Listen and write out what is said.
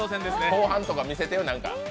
後半とか見せてよ、何か。